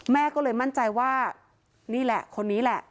แม่ก็เลยมั่นใจว่านี่แหละคนนี้แหละ